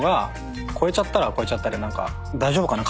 超えちゃったら超えちゃったで大丈夫かな？